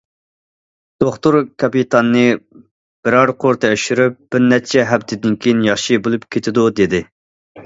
دوختۇر كاپىتاننى بىرەر قۇر تەكشۈرۈپ‹‹ بىرنەچچە ھەپتىدىن كېيىن ياخشى بولۇپ كېتىدۇ››، دېدى.